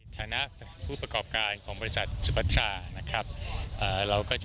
และก็ความเรียบร้อย